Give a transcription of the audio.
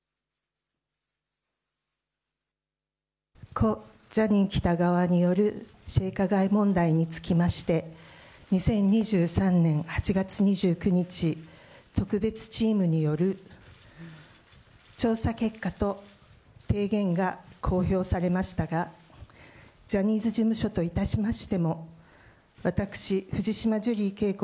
故・ジャニー喜多川による性加害問題につきまして、２０２３年８月２９日、特別チームによる調査結果と提言が公表されましたが、ジャニーズ事務所といたしましても、私、藤島ジュリー景子